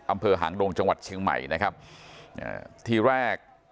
หางดงจังหวัดเชียงใหม่นะครับอ่าทีแรก